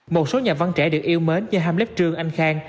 một số nhà văn trẻ được yêu mến như hamlet trương anh khang